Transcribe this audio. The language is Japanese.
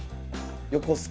横須賀。